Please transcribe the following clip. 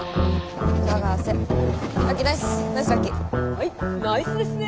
はいナイスですね。